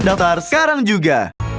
daftar sekarang juga